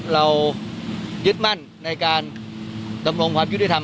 เรายึดมั่นในการดำรงความยุติธรรม